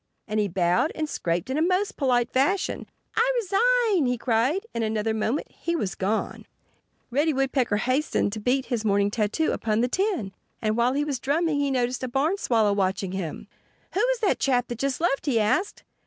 And he bowed and scraped in a most polite fashion. "I resign!" he cried. In another moment he was gone. Reddy Woodpecker hastened to beat his morning tattoo upon the tin. And while he was drumming he noticed a Barn Swallow watching him. "Who was that chap that just left?" he asked.